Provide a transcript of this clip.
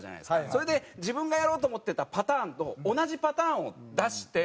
それで自分がやろうと思ってたパターンと同じパターンを出して。